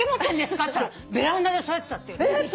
っつったらベランダで育てたって言うの。